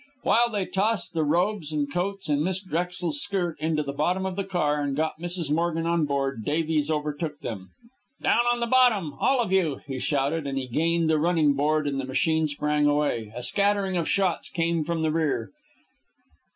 While they tossed the robes and coats and Miss Drexel's skirt into the bottom of the car and got Mrs. Morgan on board, Davies overtook them. "Down on the bottom! all of you!" he shouted, as he gained the running board and the machine sprang away. A scattering of shots came from the rear.